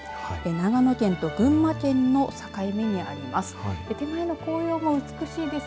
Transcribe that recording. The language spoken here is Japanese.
長野県と群馬県の境目にあります。